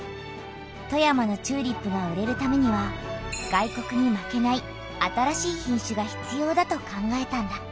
富山のチューリップが売れるためには外国に負けない新しい品種が必要だと考えたんだ。